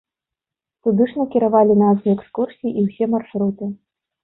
Туды ж накіравалі назвы экскурсій і ўсе маршруты.